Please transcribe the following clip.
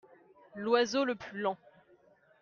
L'oiseau le plus lent.